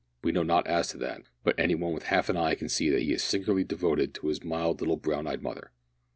We know not as to that, but any one with half an eye can see that he is singularly devoted to his mild little brown eyed mother.